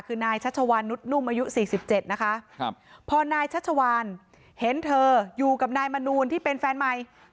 คือนายชัชวานนุดนุ่มอายุสี่สิบเจ็ดนะคะครับพอนายชัชวานเห็นเธออยู่กับนายมนูนที่เป็นแฟนใหม่